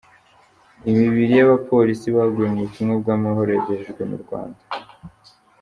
Imibiri y’abapolisi baguye mubutumwa bwamahoro yagejejwe mu Rwanda